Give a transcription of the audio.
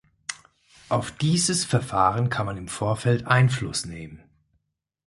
Auf dieses Verfahren kann man im Vorfeld Einfluss nehmen.